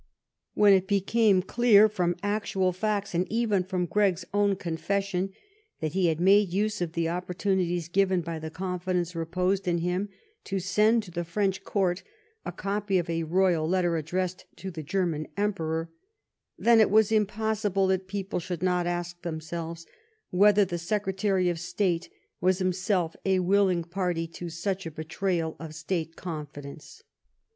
When it became clear from actual facts, and even from Gregg's own confession, that he had made use of the opportunities given by the confidence reposed in him to send to the French court a copy of a royal letter addressed to the German Emperor, then it was impos sible that people should not ask themselves whether the Secretary of State was himself a willing party to such a betrayal of state confidence.